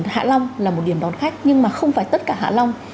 hạ long là một điểm đón khách nhưng mà không phải tất cả hạ long